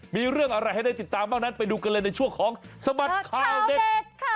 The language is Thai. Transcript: มีเรื่องอะไรให้ได้ติดตามได้ดูในช่วงของสมัครค่าเบสค่ะ